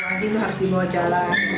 anjing itu harus dibawa jalan